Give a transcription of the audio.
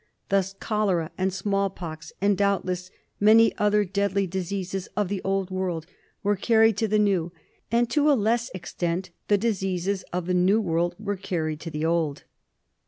Thus cholera and small pox, and doubtless many other deadly diseases of the Old World were carried to the New, and to a less ex tent the diseases of the New World were carried to the Old.